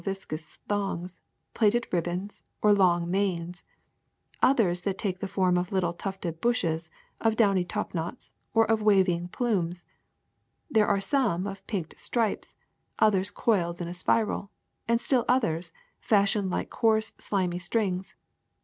VISCOUS thougs, plaitcd ribbous, or long manes; others that take the form of little tufted bushes, of downy topknots, or of waving plumes; there are some of pinked strips, others coiled in a spiral, and still others fashioned like coarse, slimy strings.